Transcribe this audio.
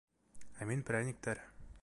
-Ә мин прәниктәр...